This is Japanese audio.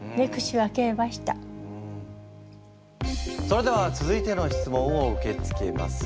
それでは続いての質問を受け付けます。